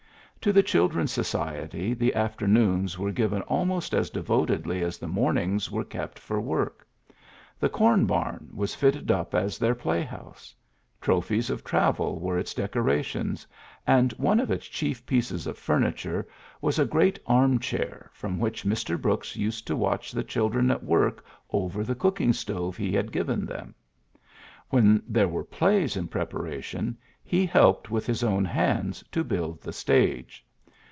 To the children's society the afternoons were given almost as devotedly as the mornings were kept for work. The ^^ Corn barn" was fitted up as their playhouse. Trophies of travel were its decorations ; and one of its chief pieces of furniture was a great arm chair, from which Mr. Brooks used to watch the children at work over the cooking stove he had given them. When there were plays in prepara tion, he helped with his own hands to build the stage.